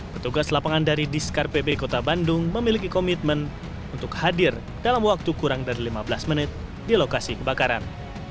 petugas lapangan dari diskar pb kota bandung memiliki komitmen untuk hadir dalam waktu kurang dari lima belas menit di lokasi kebakaran